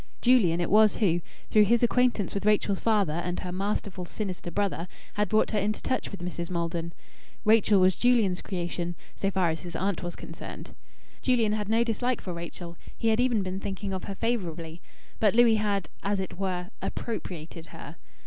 Julian it was who, through his acquaintance with Rachel's father and her masterful sinister brother, had brought her into touch with Mrs. Maldon. Rachel was Julian's creation, so far as his aunt was concerned. Julian had no dislike for Rachel; he had even been thinking of her favourably. But Louis had, as it were, appropriated her